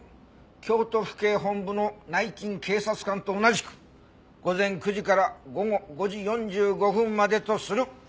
京都府警本部の内勤警察官と同じく午前９時から午後５時４５分までとする」